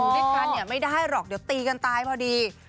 อยู่ด้วยกันไม่ได้หรอกเดี๋ยวตีกันตายพอดี